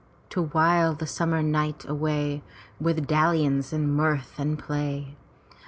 To while the summer night away With dalliance and mirth and play.